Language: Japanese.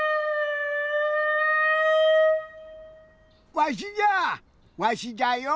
わしじゃわしじゃよ。